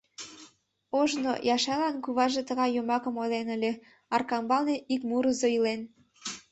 Ожно Яшайлан куваваже тыгай йомакым ойлен ыле: «Аркамбалне ик колызо илен.